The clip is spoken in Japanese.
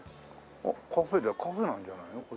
あっカフェだカフェなんじゃないの？